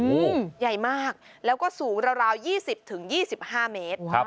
โอ้โหใหญ่มากแล้วก็สูงราว๒๐๒๕เมตร